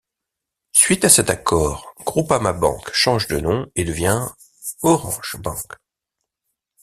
Suite à cet accord, Groupama Banque change de nom et devient Orange Bank.